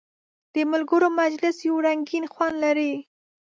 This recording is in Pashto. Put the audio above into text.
د ملګرو مجلس یو رنګین خوند لري.